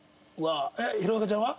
弘中ちゃんは？